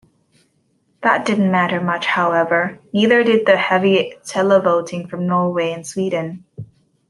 That didn't matter much however, neither did the heavy televoting from Norway and Sweden.